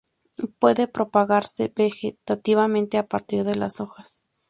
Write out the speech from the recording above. Puede propagarse vegetativamente a partir de las hojas.